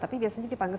tapi biasanya dipanggil